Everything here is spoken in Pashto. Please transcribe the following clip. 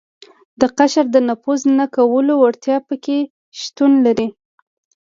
د قشر د نفوذ نه کولو وړتیا په کې شتون لري.